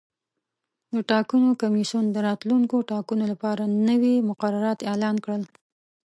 د ټاکنو کمیسیون د راتلونکو ټاکنو لپاره نوي مقررات اعلان کړل.